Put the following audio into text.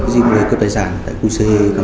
dương gây cướp tài sản tại qc